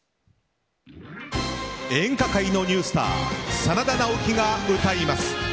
演歌界のニュースター真田ナオキが歌います。